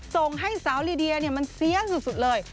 ส่งให้สาวลีเดียมันเสียสุดเลย